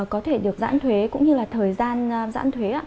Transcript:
có thể được giãn thuế cũng như là thời gian giãn thuế ạ